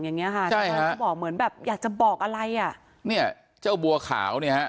อย่างเงี้ยฮะเหมือนแบบอยากจะบอกอะไรอ่ะเนี้ยเจ้าบัวขาวเนี้ยฮะ